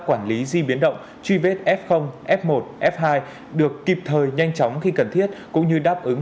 quản lý di biến động truy vết f f một f hai được kịp thời nhanh chóng khi cần thiết cũng như đáp ứng